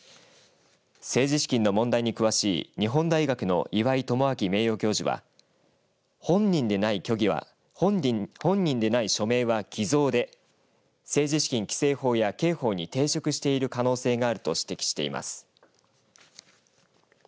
政治資金の問題に詳しい日本大学の岩井奉信名誉教授は本人でない署名は偽造で政治資金規正法や刑法に抵触している可能性があると指摘しています。